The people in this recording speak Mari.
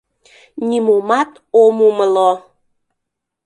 Нимомат ом умыло!